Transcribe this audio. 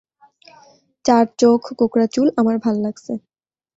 চার চোখ, কোকড়া চুল, আমার ভাল্লাগছে।